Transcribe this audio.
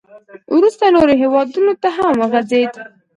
• وروسته نورو هېوادونو ته هم وغځېد.